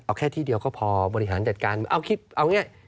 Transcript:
เอาแค่ที่เดียวก็พอบริหารจัดการเอาคิดเอาอย่างนี้